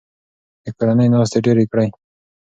د کورنۍ ناستې ډیرې کړئ.